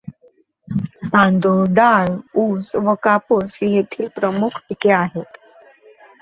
तांदूळ, डाळ, ऊस व कापूस ही येथील प्रमुख पिके आहेत.